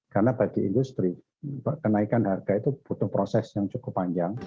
karena bagi industri kenaikan harga itu butuh proses yang cukup panjang